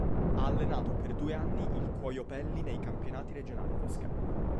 Ha allenato per due anni il Cuoiopelli nei campionati regionali toscani.